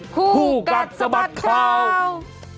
คู่กัดสะบัดข่าว